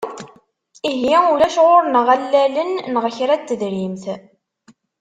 Ihi, ulac ɣur-neɣ allalen neɣ kra n tedrimt.